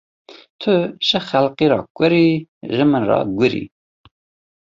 Tu ji xelkê re kur î, ji min re gur î.